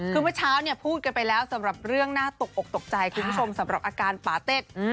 คือเมื่อเช้าเนี่ยพูดกันไปแล้วสำหรับเรื่องน่าตกอกตกใจคุณผู้ชมสำหรับอาการปาเต็ด